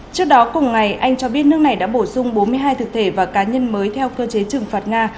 trước đó cùng ngày anh cho biết nước này đã bổ sung bốn mươi hai thực thể và cá nhân mới theo cơ chế trừng phạt nga